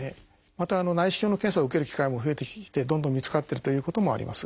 また内視鏡の検査を受ける機会も増えてきてどんどん見つかってるということもあります。